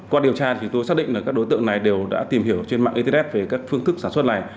qua điều tra thì tôi xác định là các đối tượng này đều đã tìm hiểu trên mạng internet về các phương thức sản xuất này